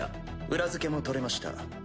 裏付けも取れました。